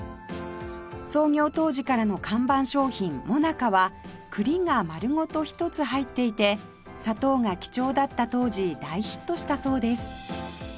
創業当時からの看板商品最中は栗が丸ごと一つ入っていて砂糖が貴重だった当時大ヒットしたそうです